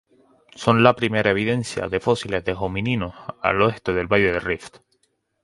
Son la primera evidencia de fósiles de homininos al oeste del valle del Rift.